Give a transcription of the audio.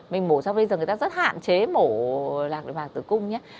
mình mổ xong bây giờ người ta rất hạn chế mổ lạc đội bạc tử cung